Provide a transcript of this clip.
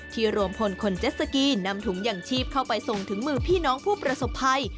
รวมพลคนเจ็ดสกีนำถุงอย่างชีพเข้าไปส่งถึงมือพี่น้องผู้ประสบภัย